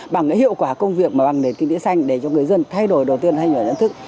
bằng cái hiệu quả công việc mà bằng nền kinh tế xanh để cho người dân thay đổi đầu tiên thay đổi nhận thức